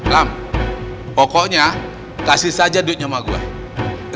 lam pokoknya kasih saja duitnya sama gue